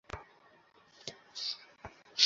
বলল, হে আবু যর!